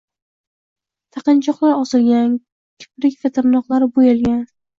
Taqinchoqlar osilgan, kiprik va tirnoqlari bo‘yalgan